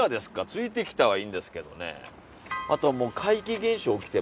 ついてきたはいいんですけどね